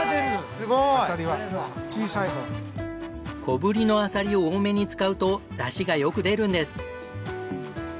小ぶりのアサリを多めに使うとだしがよく出るんです。